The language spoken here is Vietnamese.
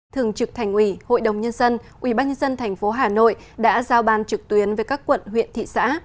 thường trực thành ủy hội đồng nhân dân ubnd tp hà nội đã giao ban trực tuyến với các quận huyện thị xã